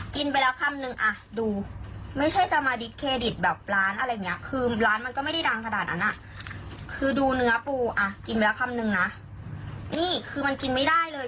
กินความนึงนะนี่คือมันกินไม่ได้เลย